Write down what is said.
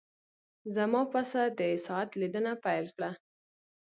زما پسه د ساعت لیدنه پیل کړه.